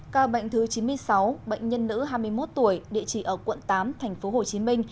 ca bệnh thứ chín mươi sáu bệnh nhân nữ hai mươi một tuổi địa chỉ ở quận tám tp hcm